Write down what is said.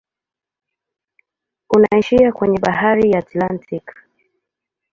Unaishia kwenye bahari ya Atlantiki.